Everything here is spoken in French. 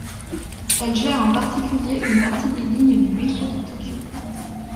Elle gère en particulier une partie des lignes du métro de Tokyo.